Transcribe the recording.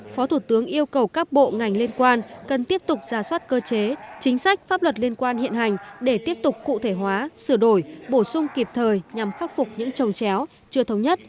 phó thủ tướng yêu cầu các bộ ngành liên quan cần tiếp tục ra soát cơ chế chính sách pháp luật liên quan hiện hành để tiếp tục cụ thể hóa sửa đổi bổ sung kịp thời nhằm khắc phục những trồng chéo chưa thống nhất